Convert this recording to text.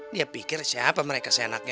dia pikir siapa mereka seenaknya